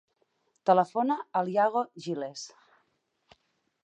Telefona a l'Iago Giles.